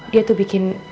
dia tuh bikin